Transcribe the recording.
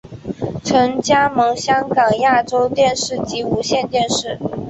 曾加盟香港亚洲电视及无线电视。